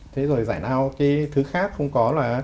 thế rồi giải lao cái thứ khác không có là